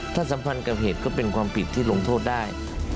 ถ้าสัมพันธ์กับเหตุก็เป็นความผิดที่ลงโทษได้